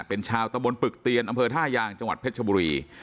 เป็นชาวตะบนปึกเตียนอำเภอท่ายางจังหวัดเพชรชบุรี